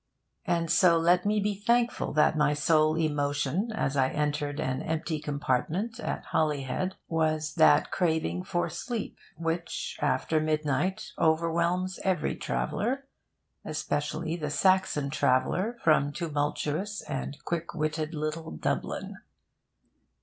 And so let me be thankful that my sole emotion as I entered an empty compartment at Holyhead was that craving for sleep which, after midnight, overwhelms every traveller especially the Saxon traveller from tumultuous and quick witted little Dublin.